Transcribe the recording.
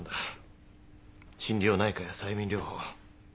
心療内科や催眠療法。